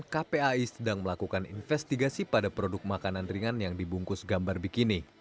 kpai sedang melakukan investigasi pada produk makanan ringan yang dibungkus gambar bikini